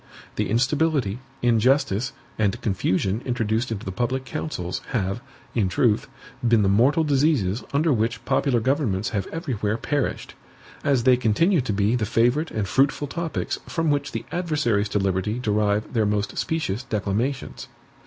The instability, injustice, and confusion introduced into the public councils, have, in truth, been the mortal diseases under which popular governments have everywhere perished; as they continue to be the favorite and fruitful topics from which the adversaries to liberty derive their most specious declamations.